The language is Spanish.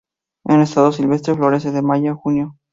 En estado silvestre florece de mayo a junio.